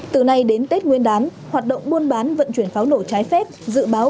từ nay đến tết nguyên đán hoạt động buôn bán vận chuyển pháo nổ trái phép dự báo